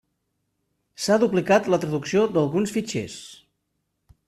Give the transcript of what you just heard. S'ha duplicat la traducció d'alguns fitxers.